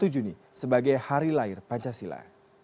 satu juni sebagai hari lahir pancasila